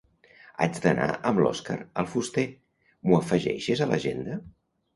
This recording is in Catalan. Haig d'anar amb l'Òscar al fuster, m'ho afegeixes a l'agenda?